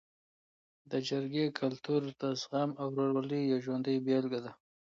د جرګې کلتور د زغم او ورورولۍ یو ژوندی بېلګه ده.